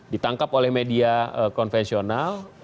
ditangkap oleh media konvensional